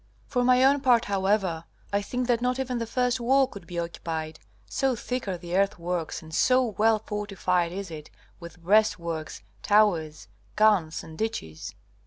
For my own part, however, I think that not even the first wall could be occupied, so thick are the earthworks and so well fortified is it with breastworks, towers, guns, and ditches.